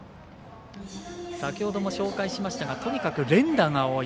先ほども紹介しましたがとにかく連打が多い。